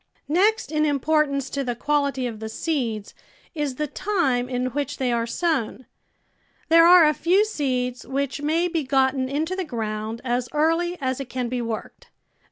Next in importance to the quality of the seeds is the time in which they are sov/n. There are a few seeds which may be gotten into the ground as early as it can be worked.